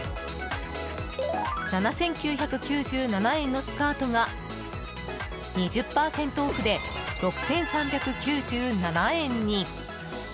７９９７円のスカートが２０％オフで６３９７円に。